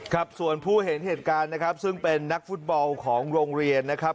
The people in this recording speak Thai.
ครับส่วนผู้เห็นเหตุการณ์นะครับซึ่งเป็นนักฟุตบอลของโรงเรียนนะครับ